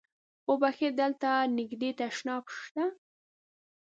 اوبښئ! دلته نږدې تشناب شته؟